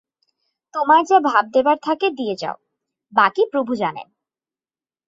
তোমার যা ভাব দেবার থাকে দিয়ে যাও, বাকী প্রভু জানেন।